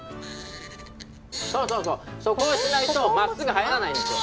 そうそうそうそこをしないとまっすぐ入らないんですよ。